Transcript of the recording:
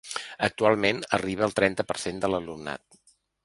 Actualment arriba al trenta per cent de l’alumnat.